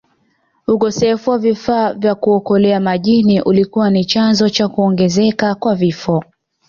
Ukosefu wa vifaa vya kuokolea majini ulikuwa ni chanzo cha kuongezeka kwa vifo